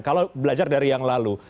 kalau belajar dari yang lalu